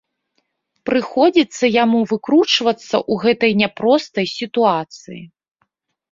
Прыходзіцца яму выкручвацца ў гэтай няпростай сітуацыі.